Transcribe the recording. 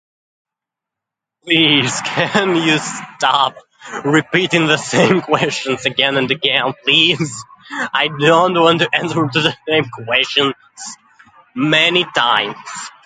Please, can you stop repeating the same questions again and again, please? I don't want to answer the same questions many times.